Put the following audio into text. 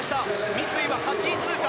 三井は８位通過。